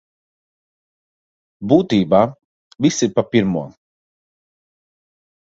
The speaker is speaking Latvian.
Būtībā viss ir pa pirmo.